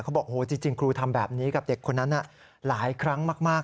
บอกจริงครูทำแบบนี้กับเด็กคนนั้นหลายครั้งมาก